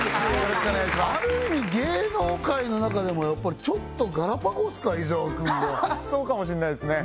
ある意味芸能界の中でもやっぱりちょっとガラパゴスか伊沢君はそうかもしんないですね